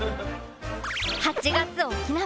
８月沖縄。